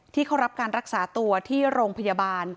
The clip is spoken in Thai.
ที่เขารับการรักษาตัวที่โรงพยาบาล